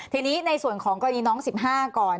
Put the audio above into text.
ทีนี้ในส่วนของกรณีน้อง๑๕ก่อน